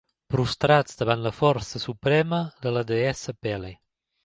Prostrats davant la força suprema de la deessa Pele.